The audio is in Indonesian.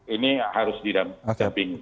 ini harus didampingi